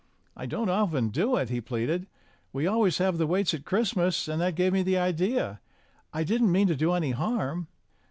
"I don't often do it," he pleaded. "We always have the waits at Christmas, and that gave me the idea. I didn't mean to do any harm."